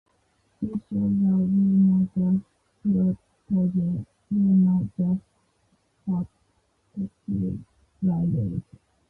It shows that we're not just protoges, we're not just coattail riders.